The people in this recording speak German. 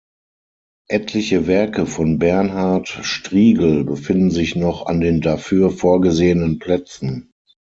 Etliche Werke von Bernhard Strigel befinden sich noch an den dafür vorgesehenen Plätzen.